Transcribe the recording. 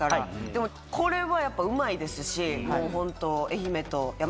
でもこれはやっぱうまいですしもうホント。